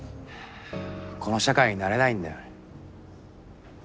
この社会に慣れないんだよ。